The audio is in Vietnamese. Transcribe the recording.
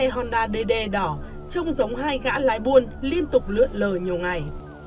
hùng gà đê đê đỏ trông giống hai gã lái buôn liên tục lượn lờ nhiều ngày